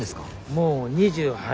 もう２８。